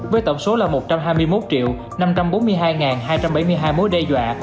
với tổng số là một trăm hai mươi một năm trăm bốn mươi hai hai trăm bảy mươi hai mối đe dọa